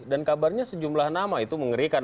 dan kabarnya sejumlah nama itu mengerikan